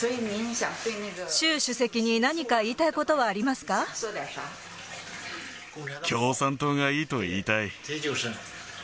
習主席に何か言いたいことは共産党がいいと言いたい。